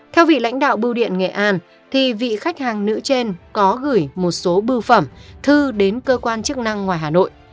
theo vị lãnh đạo bưu điện nghệ an thì vị khách hàng nữ trên có gửi một số bưu phẩm thư đến cơ quan chức năng ngoài hà nội